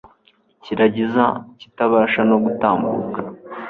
akiragiza ikitabasha no gutambuka